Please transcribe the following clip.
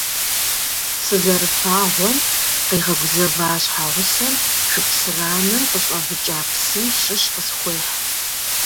Сызэрыфагъуэм къигъэгузэва щхьэгъусэм шыпсыранэм къыщӀэвыкӀа псым щыщ къысхуехь.